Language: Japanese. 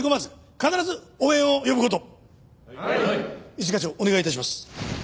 一課長お願い致します。